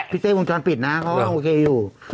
เตี้ยวงจรปิดนะเขาก็โอเคอยู่